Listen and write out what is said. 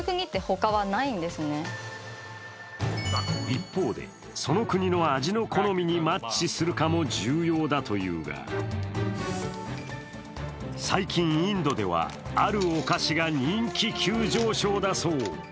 一方で、その国の味の好みにマッチするかも重要だというが最近、インドではあるお菓子が人気急上昇だそう。